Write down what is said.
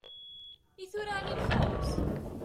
I tura ɛni nxus!